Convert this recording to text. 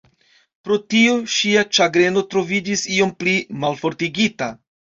Pro tio ŝia ĉagreno troviĝis iom pli malfortigita.